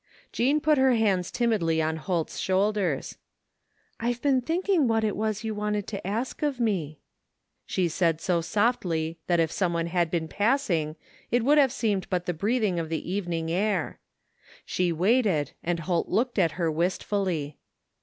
Jean put her hands timidly on Holt's shoulders, r 97 THE FINDING OF JASPER HOLT " I've been thinking what it was you wanted to ask of me/' she said so softly that if one had been passing it would have seemed but the breathing of the evening air. She waited and Holt looked at her wistfully.